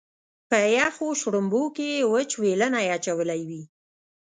په یخو شړومبو کې یې وچ وېلنی اچولی وي.